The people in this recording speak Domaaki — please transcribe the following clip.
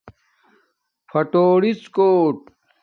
پھاٹُوریڎ کوٹ